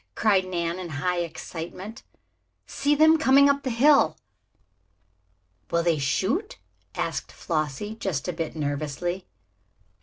cried Nan, in high excitement. "See them coming up the hill!" "Will they shoot?" asked Flossie, just a bit nervously.